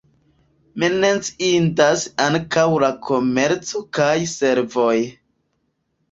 Menciindas ankaŭ la komerco kaj servoj.